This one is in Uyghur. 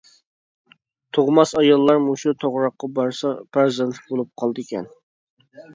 تۇغماس ئاياللار مۇشۇ توغراققا بارسا پەرزەنتلىك بولۇپ قالىدىكەن.